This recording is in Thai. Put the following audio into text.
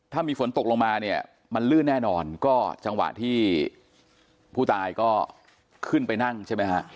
ถ้ามีฝนตกลงมาเนี่ยมันลื่นแน่นอนก็จังหวะที่ผู้ตายก็ขึ้นไปนั่งใช่ไหมฮะ